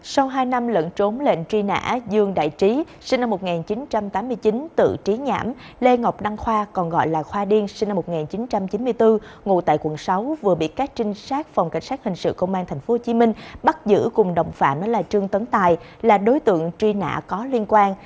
sau hai năm lẫn trốn lệnh truy nã dương đại trí sinh năm một nghìn chín trăm tám mươi chín tự trí nhãm lê ngọc đăng khoa còn gọi là khoa điên sinh năm một nghìn chín trăm chín mươi bốn ngụ tại quận sáu vừa bị các trinh sát phòng cảnh sát hình sự công an tp hcm bắt giữ cùng đồng phạm là trương tấn tài là đối tượng truy nã có liên quan